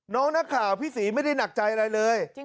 น้องนักข่าวพี่ศรีไม่ได้หนักใจอะไรเลย